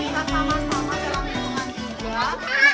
mas apa dalam ilmuwan juga